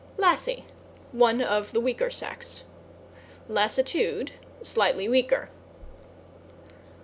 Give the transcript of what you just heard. =LASSIE= One of the weaker sex. =LASSITUDE= Slightly weaker.